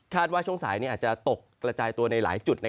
ว่าช่วงสายอาจจะตกกระจายตัวในหลายจุด